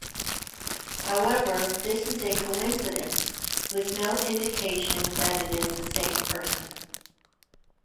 However, this is a coincidence with no indication that it is the same person.